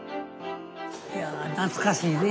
いや懐かしいね。